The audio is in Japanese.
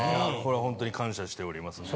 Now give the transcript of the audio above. これは本当に感謝しております。